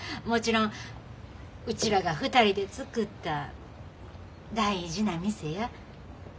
もちろんうちらが２人で作った大事な店や。